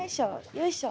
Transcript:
よいしょ！